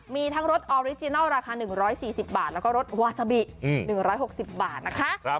มีทั้งรถออริจินัลราคา๑๔๐บาทแล้วก็รถวาซาบิ๑๖๐บาทนะคะ